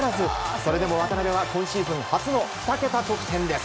それでも渡邊は今シーズン初の２桁得点です。